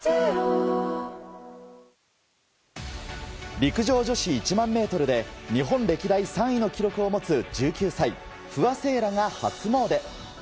陸上女子１００００ｍで日本歴代３位の記録を持つ１９歳不破聖衣来が初詣。